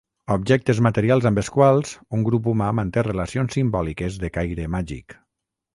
Objectes materials amb els quals un grup humà manté relacions simbòliques de caire màgic.